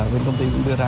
quyên công ty cũng đưa ra